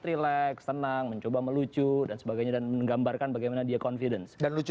rileks tenang mencoba melucu dan sebagainya dan menggambarkan bagaimana dia confidence dan lucu